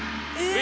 え！